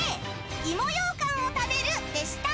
芋ようかんを食べるでした。